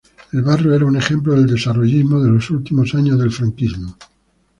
El barrio era un ejemplo del desarrollismo de los últimos años del Franquismo.